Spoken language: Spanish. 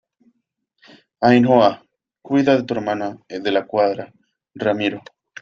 Ainhoa, cuida de tu hermana. de la Cuadra , Ramiro